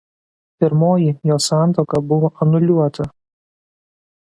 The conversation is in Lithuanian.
Pirmoji jo santuoka buvo anuliuota.